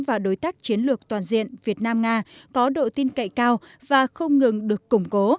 và đối tác chiến lược toàn diện việt nam nga có độ tin cậy cao và không ngừng được củng cố